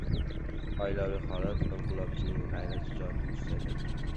Oilaviy hayot inqilobchining g‘ayrat-shijoatini susaytiradi.